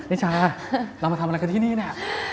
นิชาเรามาทำอะไรกันที่นี่เนี่ย